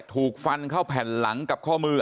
ถูกฟันเข้าแผ่นหลังกับข้อมือ